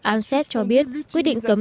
anses cho biết quyết định cấm